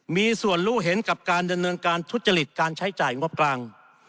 มีส่วนรู้เห็นกับการดำเนินการทุจริตการใช้จ่ายงบกลาง